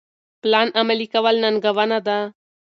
پلان عملي کول ننګونه ده.